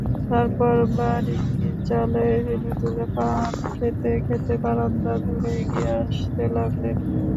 তারপর ভারিক্কি চালে হেলেদুলে পান খেতে খেতে বারান্দা ধরে এগিয়ে আসতে লাগলেন।